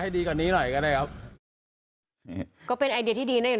ดีกว่านี้หน่อยก็ได้ครับนี่ก็เป็นไอเดียที่ดีนะอยู่